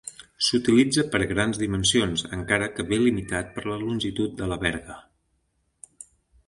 S'utilitza per a grans dimensions, encara que ve limitat per la longitud de la verga.